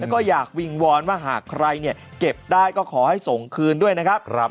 แล้วก็อยากวิงวอนว่าหากใครเนี่ยเก็บได้ก็ขอให้ส่งคืนด้วยนะครับ